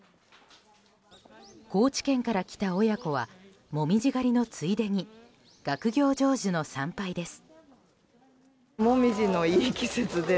高知県から来た親子は紅葉狩りのついでに学業成就の参拝です。